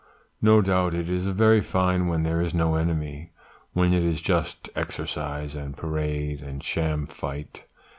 No doubt it is very fine when there is no enemy, when it is just exercise and parade and sham fight.